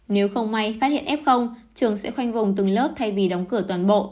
nếu không may phát hiện f trường sẽ khoanh vùng từng lớp thay vì đóng cửa toàn bộ